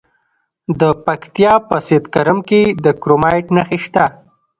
د پکتیا په سید کرم کې د کرومایټ نښې شته.